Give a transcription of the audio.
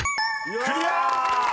［クリア！］